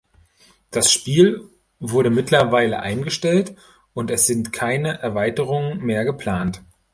Das Spiel wurde mittlerweile eingestellt und es sind keine Erweiterungen mehr geplant.